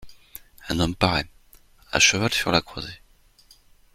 Un homme paraît, à cheval sur la croisée.